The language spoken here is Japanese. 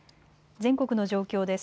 全国の状況です。